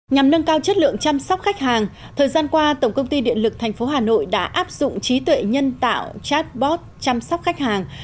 nhằm nâng cao chất lượng chăm sóc khách hàng thời gian qua tổng công ty điện lực tp hà nội đã áp dụng trí tuệ nhân tạo chatbot chăm sóc khách hàng